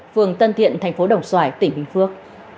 phường tân thiện thành phố đồng xoài tỉnh bình phước